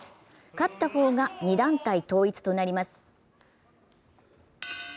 勝った方が２団体統一となります。